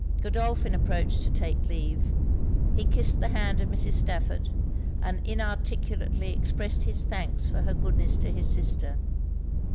Godolphin approached to take leave. He kissed the hand of Mrs. Stafford, and inarticulately expressed his thanks for her goodness to his sister.